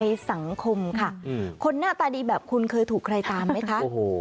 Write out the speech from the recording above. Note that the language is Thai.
สังคมค่ะคนหน้าตาดีแบบคุณเคยถูกใครตามไหมคะ